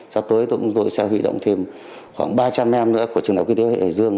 sau tối tôi sẽ huy động thêm khoảng ba trăm linh em nữa của trường đồng y tế hải dương